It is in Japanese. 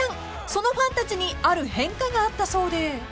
［そのファンたちにある変化があったそうで］